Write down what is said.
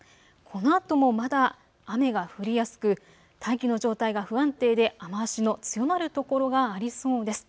このあともまだ雨が降りやすく大気の状態が不安定で雨足の強まる所がありそうです。